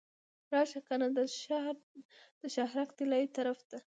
راشه کنه د شهرک طلایي طرف ته.